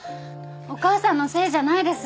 お母さんのせいじゃないです。